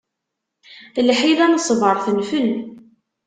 Lḥila n ṣṣbeṛ tenfel.